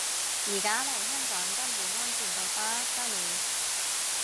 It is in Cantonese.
而家嚟香港根本安全到不得了